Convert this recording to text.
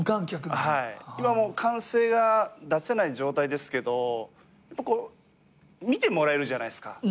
今歓声が出せない状態ですけど見てもらえるじゃないですか。